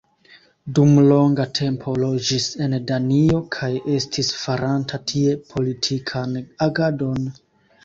Dum longa tempo loĝis en Danio kaj estis faranta tie politikan agadon.